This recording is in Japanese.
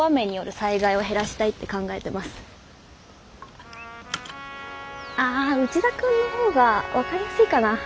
ああ内田君の方が分かりやすいかな。